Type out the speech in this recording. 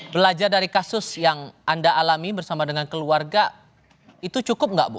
belajar dari kasus yang anda alami bersama dengan keluarga itu cukup nggak bu